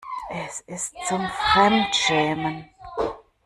Es ist zum Fremdschämen.